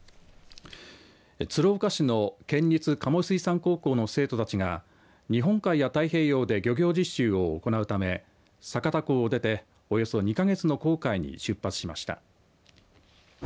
鶴岡市の県立加茂水産高校の生徒たちが日本海や太平洋で漁業実習を行うため酒田港を出ておよそ２か月の航海に出発しました。